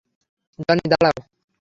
Johnny, দাঁড়াও!